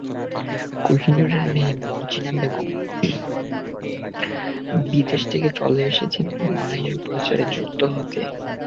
কোহিনূরের মেয়ে মর্জিনা বেগম বিদেশ থেকে চলে এসেছেন মায়ের প্রচারে যুক্ত হতে।